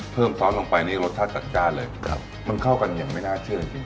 ซอสลงไปนี่รสชาติจัดจ้านเลยครับมันเข้ากันอย่างไม่น่าเชื่อจริง